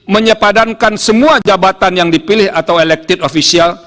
menyepadankan semua jabatan yang dipilih atau elected official